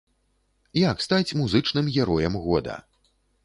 Як стаць музычным героем года?